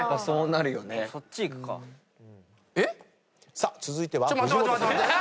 さあ続いては藤本さんです。